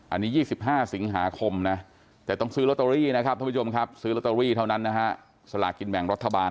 อันนี้๒๕สิงหาคมนะแต่ต้องซื้อลอตเตอรี่นะครับท่านผู้ชมครับซื้อลอตเตอรี่เท่านั้นนะฮะสลากินแบ่งรัฐบาล